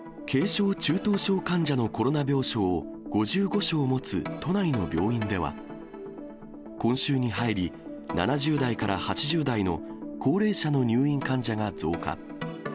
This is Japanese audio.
軽症・中等症患者のコロナ病床を５５床持つ都内の病院では、今週に入り、７０代から８０代の高齢者の入院患者が増加。